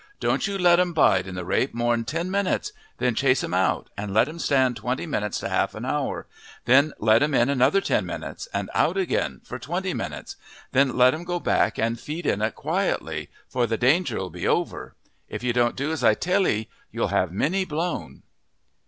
Don't you let 'em bide in the rape more 'n ten minutes; then chase them out, and let 'em stand twenty minutes to half an hour; then let them in another ten minutes and out again for twenty minutes, then let them go back and feed in it quietly, for the danger 'll be over. If you don't do as I tell 'ee you'll have many blown."